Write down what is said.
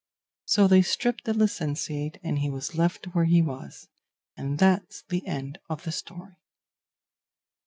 So they stripped the licentiate, and he was left where he was; and that's the end of the story."